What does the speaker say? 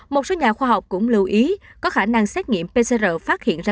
một số nhà khoa học cũng lưu ý có khả năng xét nghiệm pcr phát hiện ra